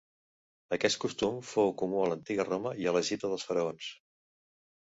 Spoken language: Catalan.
Aquest costum fou comú en l'antiga Roma i a l'Egipte dels faraons.